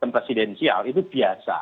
presidensial itu biasa